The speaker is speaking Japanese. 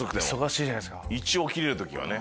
一応起きれる時はね。